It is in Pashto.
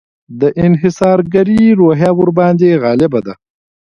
د انحصارګري روحیه ورباندې غالبه ده.